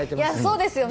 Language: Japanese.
そうですよね。